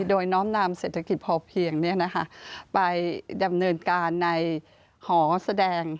โดยน้อมนามเศรษฐกิจพอเพียงไปดำเนินการในหอแสดง